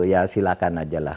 ya silakan aja lah